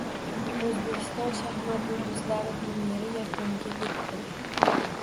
“O‘zbekiston shaxmat yulduzlari” turniri yakuniga yetdi